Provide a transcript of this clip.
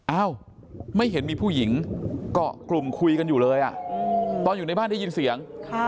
อ้าวไม่เห็นมีผู้หญิงเกาะกลุ่มคุยกันอยู่เลยตอนอยู่ในบ้านได้ยินเสียง